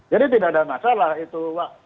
jadi tidak ada masalah itu